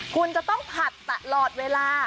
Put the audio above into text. คุณจะต้องผัดตลอดเวลา